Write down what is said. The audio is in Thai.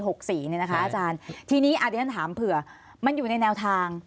ทีนี้อาจารย์ถามเผื่อมันอยู่ในแนวทาง